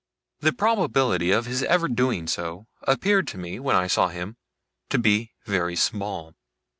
The probability of his ever doing so, appeared to me, when I saw him, to be very small.